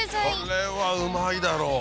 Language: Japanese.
これはうまいだろう！